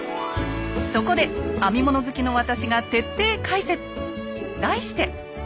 そこで編み物好きの私が徹底解説。